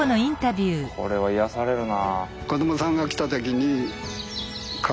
これは癒やされるな。